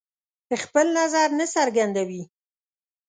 خپل نظر نه څرګندوي.